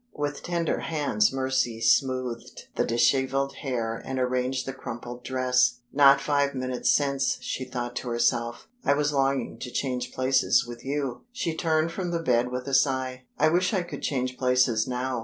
With tender hands Mercy smoothed the disheveled hair and arranged the crumpled dress. "Not five minutes since," she thought to herself, "I was longing to change places with you!" She turned from the bed with a sigh. "I wish I could change places now!"